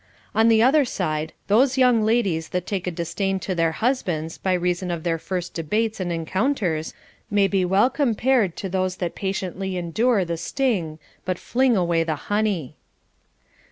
On the other side, those young ladies that take a disdain to their husbands by reason of their first debates and encounters may be well compared to those that patiently endure the sting but fling away the honey.